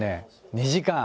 ２時間！